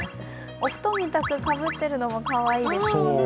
お布団かぶってるのもかわいいですね。